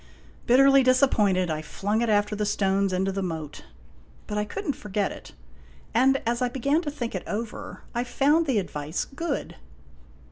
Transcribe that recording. Bitterly disappointed, I flung it after the stones into the moat. But I could n't forget it. And as I began to think it over, I found the advice good.